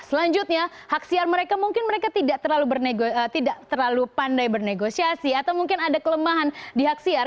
selanjutnya haksiar mereka mungkin mereka tidak terlalu pandai bernegosiasi atau mungkin ada kelemahan di haksiar